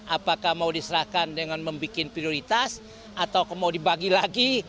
apakah mau diserahkan dengan membuat prioritas atau mau dibagi lagi